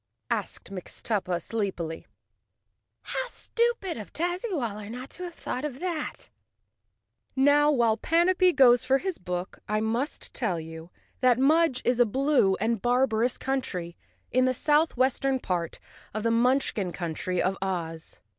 asked Mixtuppa sleepily. "How stupid of Tazzywaller not to have thought of that." Now, while Panapee goes for his book, I must tell you that Mudge is a blue and barbarous country in the southwestern part of the Munchkin country of Oz.